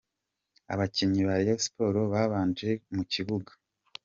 Abakinnyi ba Rayon Sports babanje mu kibuga.